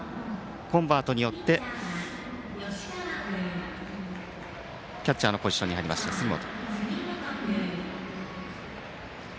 コンバートによってキャッチャーのポジションに入った杉本。